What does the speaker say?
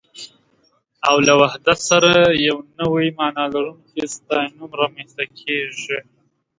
او له وحدت سره يې نوې مانا لرونکی ستاينوم رامنځته کېږي